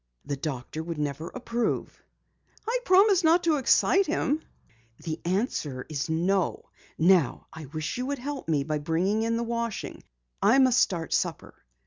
"The doctor would never approve." "I promise not to excite him." "The answer is no! Now I wish you would help me by bringing in the washing. I must start supper."